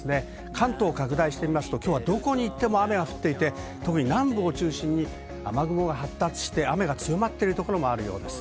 関東はどこに行っても雨が降っていて、特に南部を中心に雨雲が発達して、雨が強まっているところもあるようです。